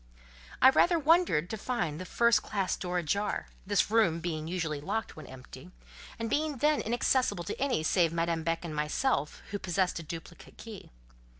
I rather wondered to find the first classe door ajar; this room being usually locked when empty, and being then inaccessible to any save Madame Beck and myself, who possessed a duplicate key.